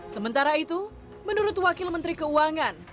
sementara itu menurut wakil menteri keuangan